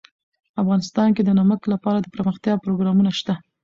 افغانستان کې د نمک لپاره دپرمختیا پروګرامونه شته.